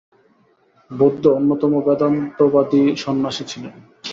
বুদ্ধ অন্যতম বেদান্তবাদী সন্ন্যাসী ছিলেন।